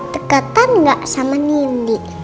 deketan gak sama nindi